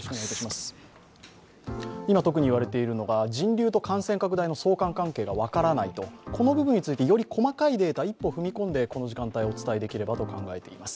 今特にいわれているのが人流と感染拡大の相関関係が分からないと、この部分についてより細かいデータ、一歩踏み込んでお伝えできればと考えています。